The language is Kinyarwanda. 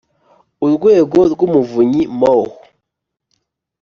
Urwego rw Umuvunyi MoH